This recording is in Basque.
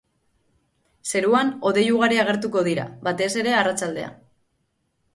Zeruan hodei ugari agertuko dira, batez ere, arratsaldean.